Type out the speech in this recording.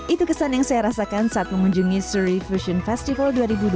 itu kesan yang saya rasakan saat mengunjungi sury fusion festival dua ribu dua puluh